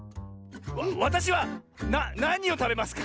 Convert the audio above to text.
わたしはなにをたべますか？